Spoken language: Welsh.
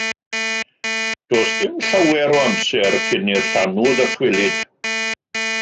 Does dim llawer o amser cyn i'r llanw ddychwelyd.